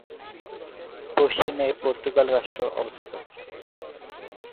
পশ্চিমে পর্তুগাল রাষ্ট্র অবস্থিত।